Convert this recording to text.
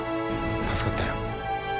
助かったよ。